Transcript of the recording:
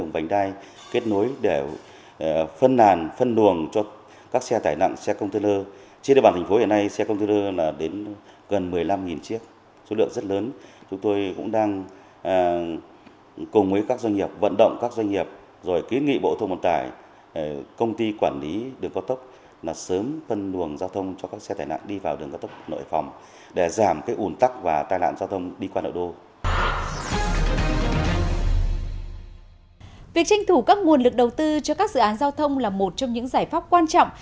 việc tranh thủ các nguồn lực đầu tư cho các dự án giao thông là một trong những giải pháp quan trọng